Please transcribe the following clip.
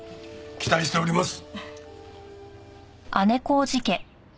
期待しております。